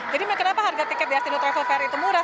kenapa harga tiket di astro travel fair itu murah